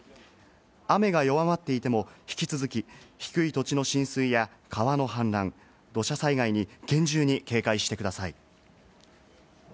雨が弱まっていても、引き続き低い土地の浸水や川の氾濫、土砂災害に厳重に警戒してください。